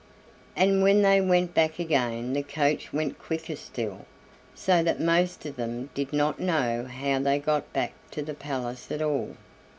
And when they went back again the coach went quicker still, so that most of them did not know how they got back to the palace at all.